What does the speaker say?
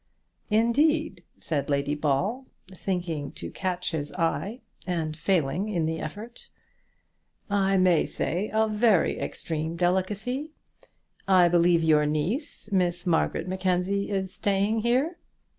"Indeed," said Lady Ball, thinking to catch his eye, and failing in the effort. "I may say of very extreme delicacy. I believe your niece, Miss Margaret Mackenzie, is staying here?"